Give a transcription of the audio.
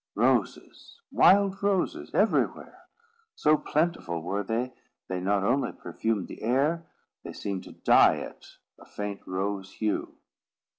Roses, wild roses, everywhere! So plentiful were they, they not only perfumed the air, they seemed to dye it a faint rose hue.